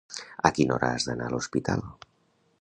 A quina hora has d'anar a l'Hospital?